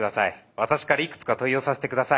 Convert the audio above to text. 私からいくつか問いをさせて下さい。